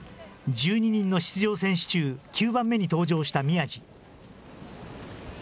１２人の出場選手中、９番目に登場した宮路。